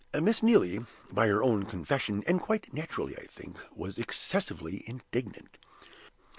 Miss Neelie, by her own confession (and quite naturally, I think), was excessively indignant.